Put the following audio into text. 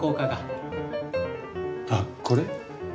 あっこれ？